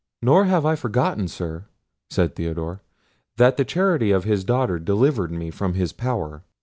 "Nor have I forgotten, sir," said Theodore, "that the charity of his daughter delivered me from his power.